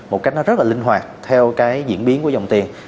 một cách nó rất là linh hoạt theo cái diễn biến của dòng tiền